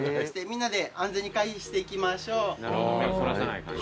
みんなで安全に回避していきましょう。